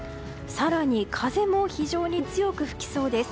更に、風も非常に強く吹きそうです。